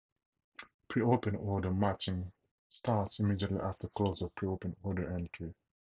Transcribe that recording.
Pre-open order matching starts immediately after close of pre-open order entry.